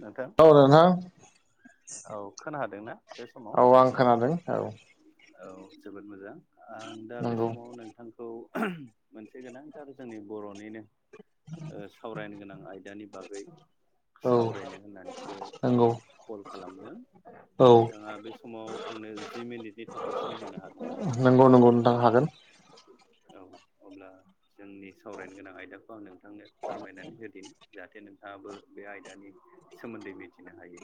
नोंथां। औ नोंथां। औ खोनादों ना? औ आं खोनादों औ। औ जोबोद मोजां आं दा बे नंगौ समाव नोंथां। औ मोनसे गोनांथार जोंनि बर'निनो। सावरायनो गोनां आयदानि बागै औ सावरायनो होननानैसो नंगौ कल खालामदों औ नोंथाङा बे समाव आंनो जि मिनिटनि थाखाय सम होनो हागोना नंगौ नंगौ नोंथां हागोन औ अब्ला जोंनि सावरायनो गोनां आयदाखौ आं नोंथांनो फोरमायनानै होदिनि जाहाथे नोंथाङाबो बे आयदानि सोमोन्दै मिथिनो हायो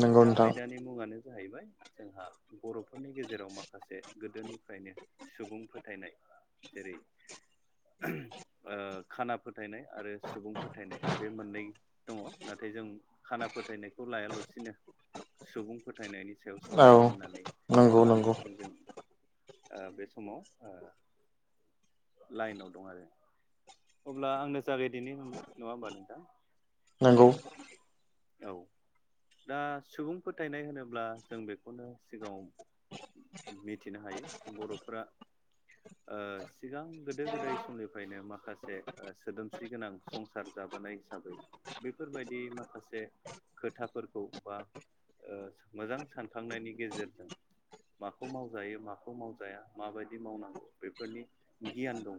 नंगौ दा नोंथां आयदानि मुङानो जाहैबाय जोंहा बर'फोरनि गेजेराव माखासे गोदोनिफ्रायनो सुबुं फोथायनाय जेरै ओ खाना फोथायनाय आरो सुबुं फोथायनाय बे मोननै दङ नाथाय जों खाना फोथायनायखौ लायालासिनो सुबुं फोथायनायनि सायाव औ सावरायनो होननानै नंगौ आं नंगौ नोंथांजों ओ बे समाव ओ लाइनाव दं आरो अब्ला आंनो जागाय दिनि नङा होमबा नोंथां नोंगौ औ दा सुबुं फोथायनाय होनोब्ला जों बेखौनो सिगाङाव मिथिनो हायो बर'फोरा ओ सिगां गोदो गोदाय समनिफ्रायनो माखासे सोदोमस्रि गोनां संसार जाबोनाय हिसाबै बेफोरबायदि माखासे से खोथाफोरखौ बा मोजां सानखांनायनि गेजेरजों माखौ मावजायो माखौ मावजाया माबायदि मावनांगौ बेफोरनि गियान दं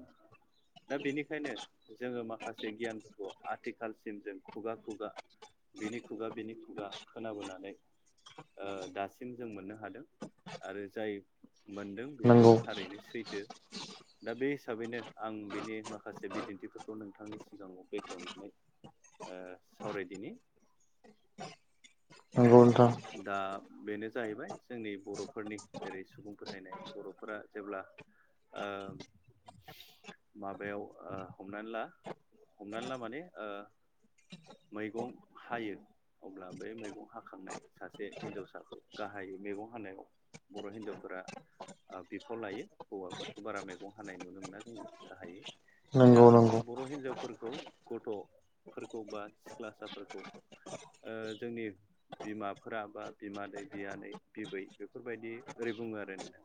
दा बेनिखायनो जोङो माखासे गियानफोरखौ आथिखालसिम जों खुगा खुगा बिनि खुगा बिनि खुगा खोनाबोनानै ओ दासिम जों मोननो हादों आरो जाय मोनदों बेबो नंगौ थारैनो सैथो दा बे हिसाबैनो आं बिनि माखासे बिदिन्थिफोरखौ नोंथांनि सिगाङाव बेखेवनानै ओ सावरायदिनि नोंगौ नोंथां दा बेनो जाहैबाय जोंनि बर'फोरनि जेरै सुबुं फोथायनाय बर'फोरा जेब्ला ओम माबायाव हमनानै ला हमनानै ला माने मैगं हायो अब्ला बै मैगं हाखांनाय सासे हिन्जावसाखौ गाहायै मैगं हानायाव बर' हिन्जावफोरा बिफाव लायो हौवाफोरखौ बारा मैगं हानाय नुनो मोना जोङो गाहायै नंगौ दा नंगौ बर' हिनजावफोरखौ गथ'फोरखौ बा सिख्लासाफोरखौ ओ जोंनि बिमाफोरा बा बिमानैै बियानै बिबै बेफोरबायदि ओरै बुङो आरो ना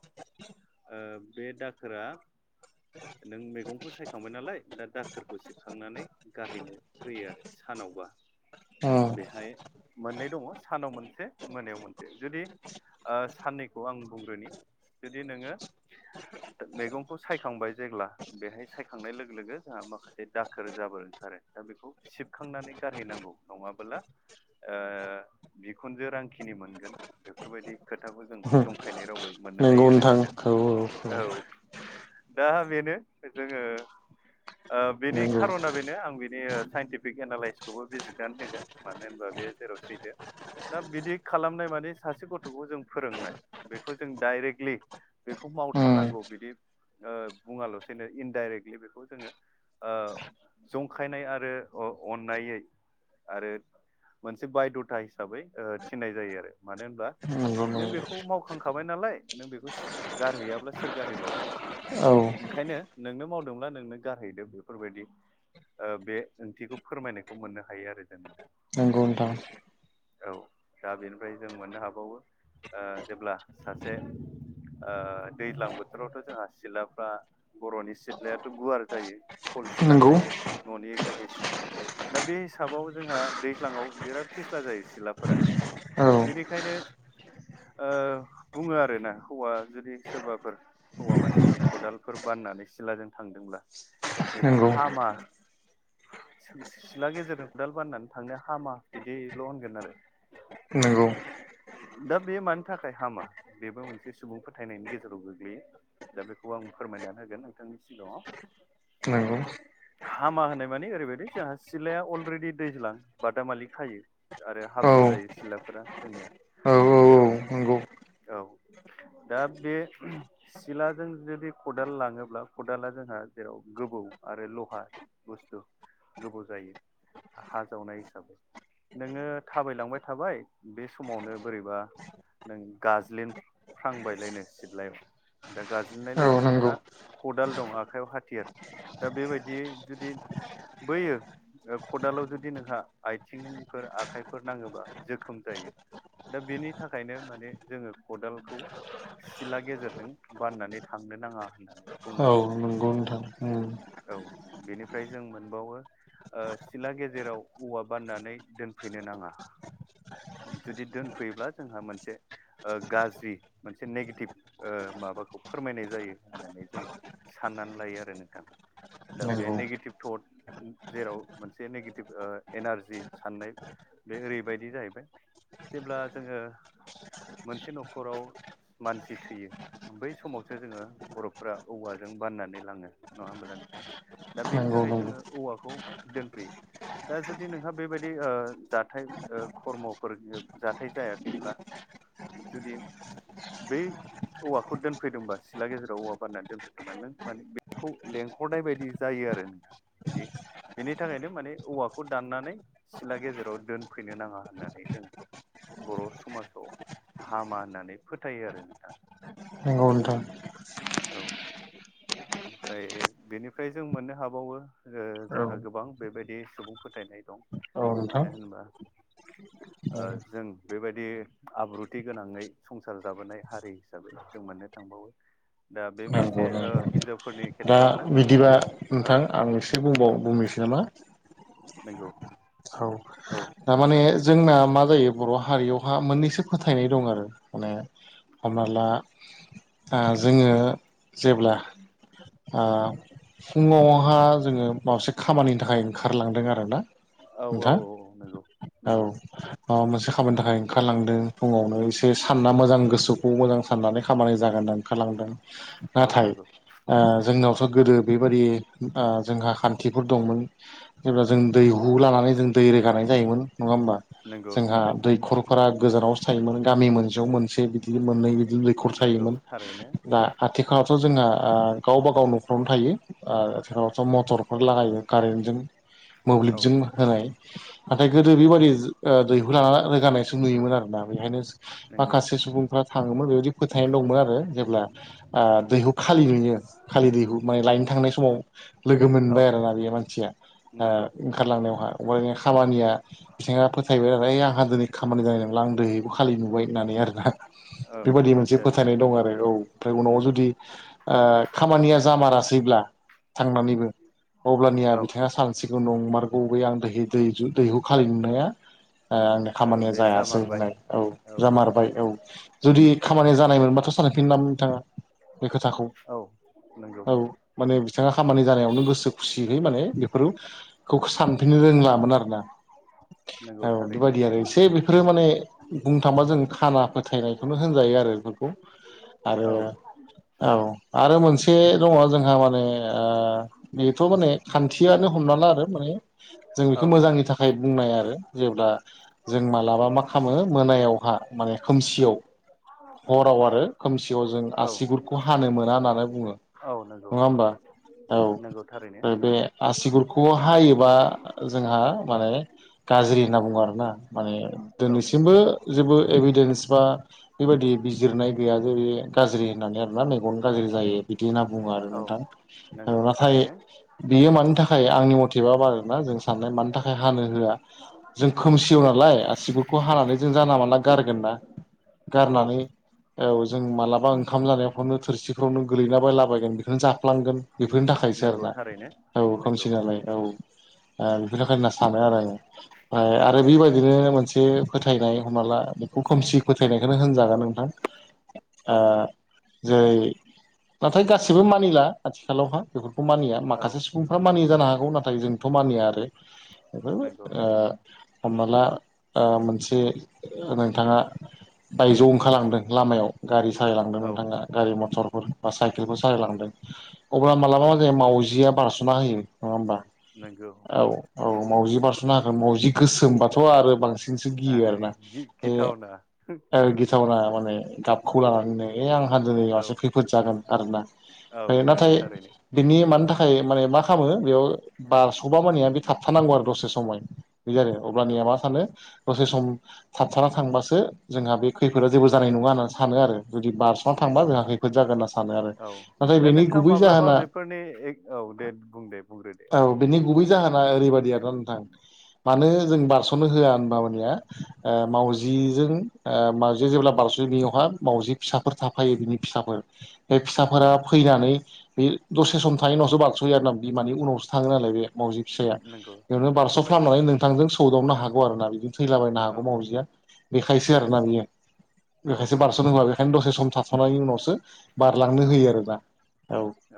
ओ बे दाखोरा नों मैगंखौ सायखांबाय नालाय दा दाखोरखौ सिबखांनानै गारहैनो होयो आरो सानावबा उम बेहाय मोननै दङ सानाव मोनसे मोनायाव मोनसे जुदि ओ साननिखौ आं बुंग्रोनि दे नोङो मैगंखौ सायखांबाय जेब्ला बेहाय सायखांनाय लोगो लोगो जोंहा माखासे दाखोर जाबोरो ओंखारो दा बेखौ सिबखांनानै गारहैनांगौ नङाबोला बिखुनजो रांखिनि मोनगोन बेफोरबायदि खोथाखौ जों जंखायनाय रावै मोननो हायो ओ नोंथां औ दा बेनो जोङो ओ बेनि नंगौ खारना बेनो आं बिनि साइन्टिफिक एनालइसिसखौबो बिजिरनानै होगोन मानो होनबा बे जेराव सैदो दा बिदि खालामनाय माने सासे गथ'खौ जों फोरोंनाय बेखौ जों डाइरेक्टलि बेखौ उम मावथारनांगौ बिदि ओ बुङाल'सैनो इनडाइरेक्टलि बेखौ जोङो ओ जंखायनाय आरो अ अननायै आरो मोनसे बायद' था हिसाबै थिननाय जायो आरो मानो होनबा नंगौ नों बेखौ नंगौ मावखांखाबाय नालाय नों बेखौ सि गारहैयाब्ला सोर गारहैबावगोन औ ओंखायनो नोंनो मावदोंब्ला नोंनो गारहैदों बेफोरबायदि ओ बे ओंथिखौ फोरमायनायखौ मोननो हायो आरो जोंङो दा नोंगौ नोंथां औ दा बेनिफ्राय जों मोननो हाबावो ओ जेब्ला सासे ओ दैज्लां बोथोरावथ' जोंहा सिलाफ्रा बर'नि सिथ्लायाथ' गुवार जायो खल सिला नंगौ थायो न'नि गाहाय सिला दा बे हिसाबाव जोंहा दैख्लाङाव बिराद फिस्ला जायो सिथ्लाफोरा औ बेनिखायनो ओ बुङो आरोना हौवा जुदि सोरबाफोर हौवा मानसिफ्रा खदालफोर बाननानै सिलाजों थांदोंब्ला बेखौ नंगौ हामा सों सिला गेजेरजों खदाल बाननानै थांनो हामा बिदिल' होनगोन आरो उम दा बे मानि थाखाय हामा बेबो मोनसे सुबुं फोथायनायनि गेजेराव गोग्लैयो दा बेखौ आं फोरमायनानै होगोन नोंथांनि सिगाङाव नोंगौ हामा होनाय माने ओरैबायदि जोंहा सिलाया अलरेडि दैज्लां बादामालि खायो आरो औ हाब्रु जायो सिथ्लाफोरा जोंनिया औ औ औ जेराव नंगौ औ दा बे सिलाजों जुदि खदाल लाङोब्ला खदाला जोंहा जेराव गोबौ आरो लहा बुस्थु गोबाव जायो हा जावनाय हिसाबै नोङो थाबायलांबाय थाबाय बे समावनो बोरैबा नों गाजलिद फ्रांबायलायनो सिदलायाव दा गाज्ललिनाय औ लोगो लोगो नंगौ नोंहा खदाल दं आखाइयाव हाथियार दा बेबायदियै जुदि बैयो ओ खदालाव जुदि नोंहा आथिंफोर आखाइफोर नाङोबा जोखोम जायो। दा बेनि थाखायनो माने जोङो खदाल खौ सिला गेजेरजों बाननानै थांनो नाङा होननानै बुङो औ आरो नोंथां नंगौ उम औ बेनिफ्राय जों मोनबावो ओ सिला गेजेराव औवा बाननानै दोनफैनो नाङा जुदि दोनफैयोब्ला जोंहा मोनसे ओ गाज्रि मोनसे नेगेटिभ ओ माबाखौ फोरमायनाय जायो होननानै जों साननानै लायो आरो नोंथां दा बे नंगौ नेगेटिभ थट जेराव मोनसे नेगेटिभ ओ एनारजि साननाय बे ओरैबायदि जायैबाय जेब्ला जोङो मोनसे न'खराव मानसि थैयो बै समावसो जोङो बर'फोरा औवाजों बाननानै लाङो नङा होमबाल नोंथां दा बेनि नंगौ थाखाय नंगौ जोङो औवाखौ दोनफैयो दा जुदि नोंहा बेबायदि ओ जाथाय ओ खर्म'फोर जाथाय जायाखैब्ला जुदि बेै औवाखौ दोनफैदोंबा सिला गेजेराव औवा बारनानै दोनफैदोंमोना नों माने बेखौ लेंहरनाय बायदि जायो आरो नोंथा बेदि बेनि थाखायनो माने औवाखौ दाननानै सिला गेजेराव दोनफैनो नाङा होननानै जों बर' समाजाव हामा होननानै फोथायो आरो नोंथां [unintelligible] [inaudible] फ्राय बिनिफ्राय जों मोननो हाबावो ओ जोंहा औ गोबां बेबायदि सुबुं फोथायनाय दं नोंथां मानो होनबा ओ जों बेबायदि आब्रुथि गोनाङै संसार जाबोनाय हारि हिसाबै जों मोननो थांबावो दा बे मोनसे नंगौ ओं नंगौ हिनजावफोरनि दा खेथ्रआवनो बिदिबा औ नोंथां आं इसे बुंबाव बुंनोसै नामा? नंगौ। औ औ थारमाने थारैनो जोंना मा जायो बर' हारियावहा मोननैसो फोथायनाय दं आरो माने हमना ला आ जोङो जेब्ला आ फुङावहा जोङो माखासे खामानिनि थाखाय ओंखारलांदों आरोना। औ औ नोंथां औ नंगौ औ। नंगौ माबा मोनसे खामानि थाखाय ओंखारलांदों फुङावनो इसे सानना मोजां गोसो [unintelligible] साननानै खामानि जागोन ओंखारलांदों औ नाथाय नंगौ आ जोंनावथ' गोदो बेबायदि आ जोंहा खान्थिफोर दंमोन। जेब्ला जों दैहु लानानै जों दै रोगानाय जायोमोन नङा होमबा नंगौ जोंहा नंगौ दैखर फोरा गोजानावसो थायोमोन गामि मोनसेयाव मोनसे बिदि मोननै बिदि दैखर नंगौ थायोमोन थारैनो दा हाथिखालावथ' जोंहा आ गावबा गाव न'खरावनो थायो। आ [unintelligible] मटरफोर लागायो कारेन्टजों, औ मोब्लिबजों होनाय नाथाय गोदो बिबादि जो ओ दैहु लाना रोगानायसो नुयोमोन आरोना बेखायनो नंगौ माखासे सुबुंफ्रा थाङोमोन बेबायदि फोथायनाय दंमोन आरो जेब्ला आ दैहु खालि नुयो खालि दैहु माने लायनो थांनाय समाव लोगो मोनबाय आरोना बियो मानथिया नांगौ। ओंखारलांनायावहा अबेबा खामानिया बिथिङा फोथायबाय आरो ओइ आंहा दिनै खामानि जानाय नोंला आं दिनै दैहु खालि नुबाय होननानै आरोना। औ बेबायदि मोनसे आदसा आदसा फोथायनाय दं आरो औ ओमफ्राय उनाव नंगौ जुदि आ खामानिया जामारासैब्ला थांनानैबो अब्लानिया औ बिथाङा सान सिगाङाव नंमारगौ बै आं दैह दैहु दैहु खालि नुनाया आ आंनि औ खामानिया बे जायासै जामारबाय होननाय औ जामारबाय औ जुदि औ खामानि जा नाय मोनबाथ' सानफिनामोन नोंथाङा बे खोथाखौ औ नंगौ औ माने बिथाङा खामानि जानायावनो गोसो खुसियै माने बेफोरखौ सान [unintelligible] रोंलामोन आरोना। [unintelligible] औ थारैनो बेबायदि आरो इसे बेफोरो माने बुंनो थाङोबा जों खाना फोथायनायखौनो होनजायो आरो बेफोरखौ आरो औ औ आरो मोनसे दङ जोंहा माने आ बेथ' माने खान्थियानो हमना ला आरो माने जों औ बेखौ मोजांनि थाखाय बुंनाय आरो जेब्ला जों मालाबा मा खालामो मोनायावहा माने खोमसियाव हराव आरो खोमसियाव जों औ आसिगुुरखौ हानो मोना होननानै बुङो। औ नंगौ नङा होमबा नंगौ थारैनो औ बे आसिगुरखौ हायोबा जोंहा माने गाज्रि होनना बुङो आरोना माने औ दोनैसिमबो जेबो एभिडेन्स बा बेबायदि बिजिरनाय गैयाजे बे गाज्रि होननानै आरोना नै बन गाज्रि जायो इदि होनना बुङो आरो औ नोंथां नंगौ नाथाय थारैनो बियो मानि थाखाय आंनि मथेबा आरोना जों साननाय मानि थाखाय हानो होआ जों खोमसियाव नालाय आसिगुरखौ हानानै जों जाना मानला गारगोन ना। औ गारनानै औ जों मालाबा ओंखाम जानायाव बावनो थोरसिफ्रावनो गोलैलाबायलाबायगोन बेखौनो जा जाफ्लांगोन बेफोरनि थाखायसो नंगौ आरोना थारैनो औ नंगौ खोमसिनालाय औ। बेफोरनि थाखाय होनना सानो आरो आङो ओमफ्राय आरो औ बेबायदिनो मोनसे फोथायनाय हमना ला। बेखौ खोमसि फोथायनायखौनो होनजागोन नोंथां। ओ औ जै नाथाय गासिबो मानिला। आथिखालावहा बेफोरखौ मानिया औ माखासे सुबुंफ्रा मानियो जानो हागौ नाथाय जोंथ' मानिया आरो बे नंगौ ओ हमना ला ओ मोनसे नोंथाङा बायजोआव ओंखारलांदों लामायाव गारि सालायलांदों औ नोंथाङा। गारि मथरफोर बा साइकेलफोर सालायलांदों। अब्ला मालाबा मा जायो मावजिया बारस'ना होयो नङा होमबा। नंगौ। औ औ मावजि बारस'नो हागोन मावजि गोसोमबाथ' आरो बांसिन सोखियो आरो आरोना बे गिथावना ओ गिथावना माने गाबखौ लानानैनो ए आंहा दिनै औ खैफोद जागोन आरोना। औ नंगौ नाथाय थारैनो बिनि मानि थाखाय माने मा खालामो बेयाव बा बुबाबो मानिया बे थाबथानांगौ आरो दसे समाव बे जादों नंगौ अब्लानिया मा सानो दसे सम थाबथाना थांबासो जोंहा बे खैफोद जेबो जानाय नङा होनना सानो आरो जुदि बारस'ना थांबा नंगौ जोंहा खैफोद जागोन होनना सानो आरो नाथाय बेनि गुबै जाहोना बे फोरनि औ दे बुं दे बुंग्रो दे औ। बेनि गुबै जाहोना ओरैबायादि दा नोंथां। मानो जों बारस'नो होआ होनब मानिया ओ मावजिजों माजि जेब्ला बारस'यावहा मावाजि फिसाफोर थाफायो बिनि फिसाफोर बे औ फिसाफोरा फैनानै बे दसे सम थायो उनावसो बारस' होयो आरो ना बिमानि उनावसो थाङो नालाय। बे मावजि फिसाया नंगौ बेयावनो नंगौ बारस' नंगौ खालामनानै नोंथांजों सौदावनो हागौ आरोना बिदि। थैलाबायनो औ हागौ मावजिया बेखायसो आरोना बियो औ बेखायसो बार'स' होनोबा बेखायनो दसे सम थ सनायनि उनावसो बारलांनो औ होयो आरो ना।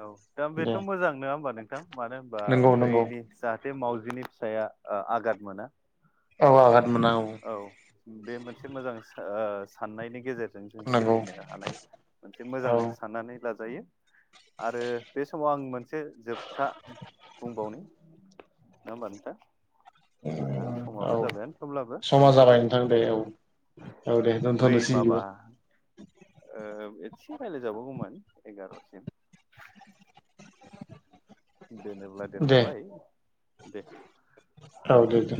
औ दा बेथ' मोजां नङा होमबा नोंथां मानो होनबा नंगौ बै दे नंगौ दे जाहाथे मावजिनि फिसाया आघाद मोना। औ आघत मोना औ। औ बे मोनसे मोजां ओ साननायनि गेजेरजों नंगौ सोलिनो हानाय मोनसे मोजां औ साननानै लाजायो। आरो बे समाव आं मोनसे जोबथा बुंबावनो। नङा होमबा नोंथाङा जोंहा समाबो औ जाबायानो थेवब्लाबो आं समा एसे जाबाय नोंथां दे औ नैबेखौ औ दे बै दोनथ'नोसै माबा। बिदिबा एसे रायज्लायजाबावगौमोन एगार'सिम। दोनोब्ला दे दोनजाबाय दे औ दे दे